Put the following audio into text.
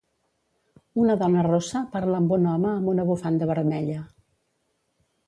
Una dona rossa parla amb un home amb una bufanda vermella.